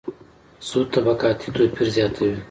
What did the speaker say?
سود طبقاتي توپیر زیاتوي.